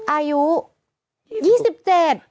อายุเท่าไหร่ล่ะอายุ๒๗